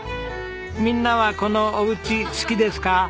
みんなはこのおうち好きですか？